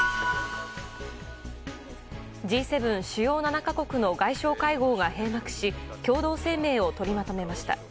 Ｇ７・主要７か国の外相会合が閉幕し共同声明を取りまとめました。